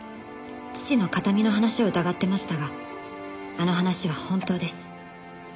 「父の形見の話を疑ってましたがあの話は本当です」